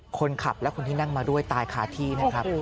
คนขับและคนที่นั่งมาด้วยตายคาที่นะครับ